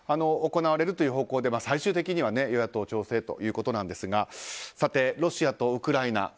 行われるという方向で最終的には与野党共生ということですがロシアとウクライナ